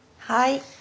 はい。